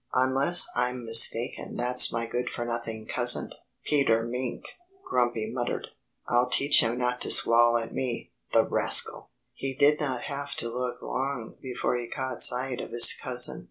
"Unless I'm mistaken that's my good for nothing cousin, Peter Mink," Grumpy muttered. "I'll teach him not to squall at me the rascal!" He did not have to look long before he caught sight of his cousin.